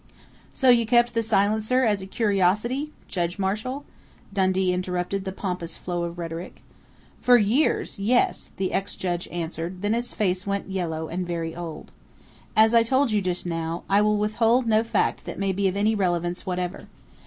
"So you kept the silencer as a curiosity, Judge Marshall?" Dundee interrupted the pompous flow of rhetoric. "For years yes," the ex judge answered, then his face went yellow and very old. "As I told you just now, I will withhold no fact that may be of any relevance whatever....